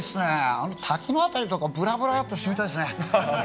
あの滝の辺りとか、ぶらぶらっとしてみたいですね。